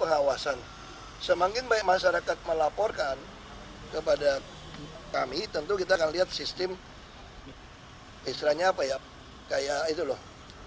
pengawasan semakin banyak masyarakat melaporkan kepada kami tentu kita akan lihat sistem istilahnya apa ya kayak itu loh